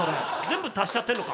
全部足しちゃってるのか？